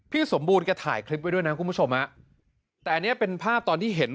สมบูรณ์แกถ่ายคลิปไว้ด้วยนะคุณผู้ชมฮะแต่อันนี้เป็นภาพตอนที่เห็น